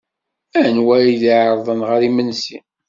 Anwa ay d-ɛerḍent ɣer yimensi?